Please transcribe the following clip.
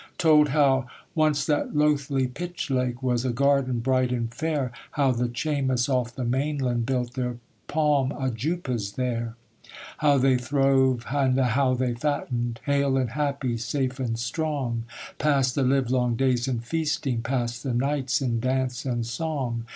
Told how 'Once that loathly Pitch Lake Was a garden bright and fair; How the Chaymas off the mainland Built their palm ajoupas there. 'How they throve, and how they fattened, Hale and happy, safe and strong; Passed the livelong days in feasting; Passed the nights in dance and song.